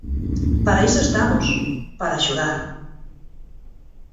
Para iso estamos, para axudar.